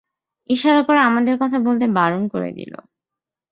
ইশারা করে আমাদের কথা বলতে বারণ করে দিলে।